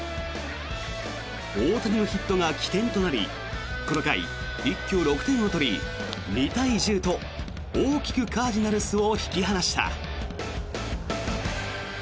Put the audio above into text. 大谷のヒットが起点となりこの回、一挙６点を取り２対１０と大きくカージナルスを引き離した。